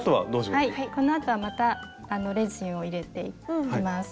はいこの後はまたレジンを入れていきます。